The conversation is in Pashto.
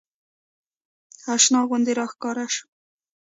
اشنا غوندې راښکاره سو.